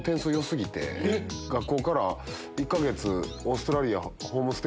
学校から１か月。